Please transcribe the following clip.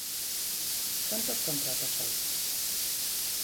¿Cantos contratos hai?